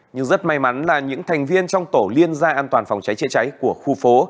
nhưng rất may mắn là những thành viên trong tổ liên gia an toàn phòng cháy chữa cháy của khu phố